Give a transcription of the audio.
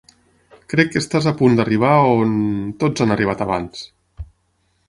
Crec que estàs a punt d'arribar a on... tots han arribat abans.